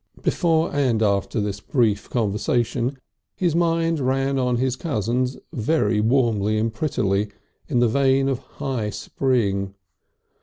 Before and after this brief conversation his mind ran on his cousins very warmly and prettily in the vein of high spring.